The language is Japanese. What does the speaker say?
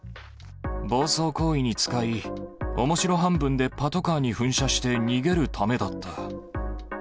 暴走行為に使い、おもしろ半分でパトカーに噴射して逃げるためだった。